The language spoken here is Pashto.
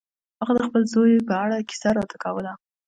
هغه د خپل زوی په اړه کیسه راته کوله.